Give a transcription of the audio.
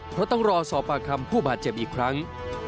เพราะต้องรอสอบปากคำผู้บาดเจ็บอีกครั้ง